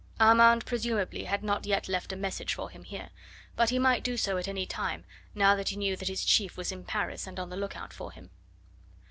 Armand presumably had not yet left a message for him here; but he might do so at any time now that he knew that his chief was in Paris and on the look out for him.